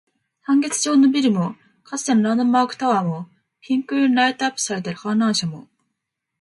半月状のビルも、かつてのランドマークタワーも、ピンク色にライトアップされた観覧車も